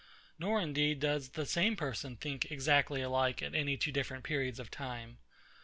Nor indeed does the same person think exactly alike at any two different periods of time.